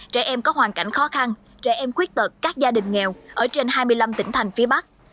trẻ em có hoàn cảnh khó khăn trẻ em khuyết tật các gia đình nghèo ở trên hai mươi năm tỉnh thành phía bắc